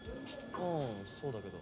ああそうだけど。